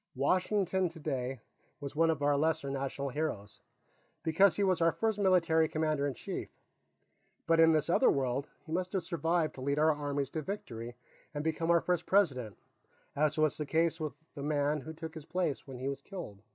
Washington, today, is one of our lesser national heroes, because he was our first military commander in chief. But in this other world, he must have survived to lead our armies to victory and become our first President, as was the case with the man who took his place when he was killed.